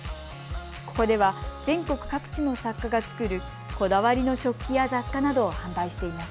ここでは全国各地の作家が作るこだわりの食器や雑貨などを販売しています。